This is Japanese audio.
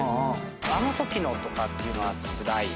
「あのときの」とかっていうのはつらいよね。